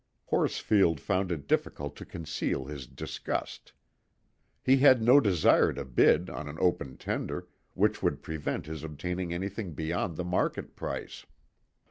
Horsfield found it difficult to conceal his disgust. He had no desire to bid on an open tender, which would prevent his obtaining anything beyond the market price.